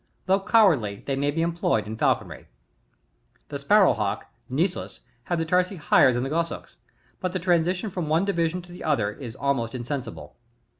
Although cowardly, they may be employed in falconry. 5 J . The Sparrow Hawks, — Sisvs, — have the tarsi higher than the Goshawks ; but the transitions from one division to the other are almost insensible.